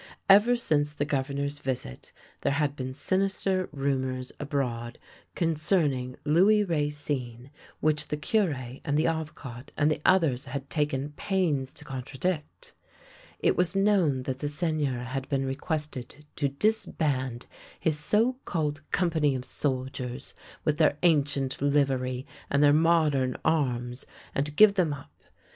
Ever since the Governor's visit there had been sinister rumours abroad concerning Louis Racine, i8 THE LANE THAT HAD NO TURNING which the Cure and the Avocat and others had taken pains to contradict. It was known that the Seigneur had been requested to disband his so called company of soldiers with their ancient livery and their modern arms, and to give them up.